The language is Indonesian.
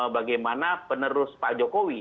bagaimana penerus pak jokowi